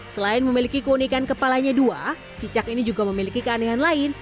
selain memiliki keunikan kepalanya dua cicak ini juga memiliki keanehan lain